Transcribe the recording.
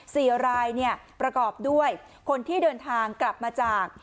สี่รายเนี่ยประกอบด้วยคนที่เดินทางกลับมาจาก